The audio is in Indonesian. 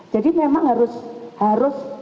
jadi memang harus